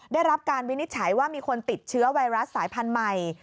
ได้รับการวินิจฉัยว่ามีคนติดเชื้อไวรัสสายพันธุ์ใหม่